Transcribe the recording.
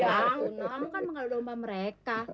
nang kamu kan mengalami domba mereka